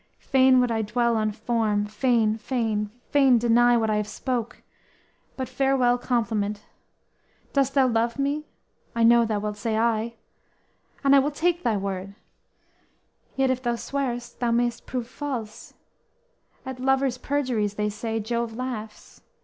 Fain would I dwell on form, fain, fain, fain, deny What I have spoke; But, farewell compliment! Dost thou love me? I know thou wilt say, Ay; And I will take thy word, yet if thou swear'st, Thou may'st prove false; at lover's perjuries They say Jove laughs.